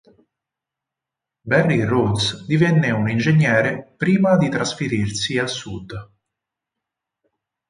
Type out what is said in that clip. Barry Rhodes divenne un ingegnere prima di trasferirsi a sud.